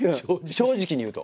正直に言うと。